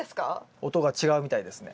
音が違うみたいですね。